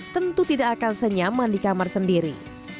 tentu tidak akan senyaman di kamar sendiri